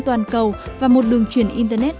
toàn cầu và một đường truyền internet